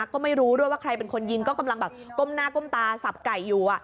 ก็ไม่รู้ด้วยว่าใครเป็นคนยิงก็กำลังแบบก้มหน้าก้มตาสับไก่อยู่